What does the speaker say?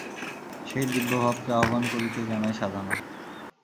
সেই দিব্যভাবকে আহ্বান করিতে জানাই সাধনা।